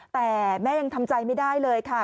แต่แม่ยังทำใจไม่ได้เลยค่ะ